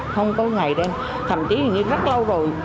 không có ngày đêm thậm chí là rất lâu rồi